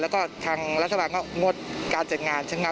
แล้วก็ทางรัฐบาลงบงดการจัดงาน